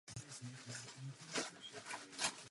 V průběhu roku se oženil a koncem roku podal výpověď.